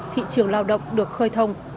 thị trường lao động được khai thông